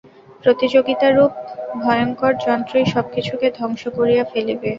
প্রতিযোগিতারূপ ভয়ঙ্কর যন্ত্রই সবকিছুকে ধ্বংস করিয়া ফেলিবে।